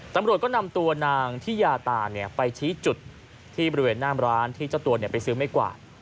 ตำรวจก็นำตัวนางทิยาตาไปชี้จุดที่บริเวณหน้ามร้านที่เจ้าตัวไปซื้อไม้กวาด